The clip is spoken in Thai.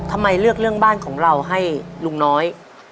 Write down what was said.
ทำไมเลือกเรื่องบ้านของเราให้ลุงน้อย